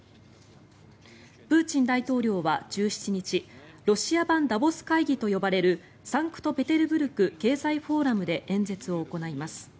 プーチン大統領は１７日ロシア版ダボス会議と呼ばれるサンクトペテルブルク経済フォーラムで演説を行います。